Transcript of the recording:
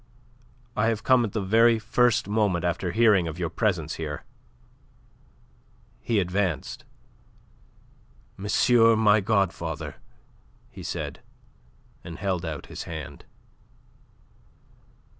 I have come at the very first moment after hearing of your presence here." He advanced. "Monsieur my godfather!" he said, and held out his hand. But M.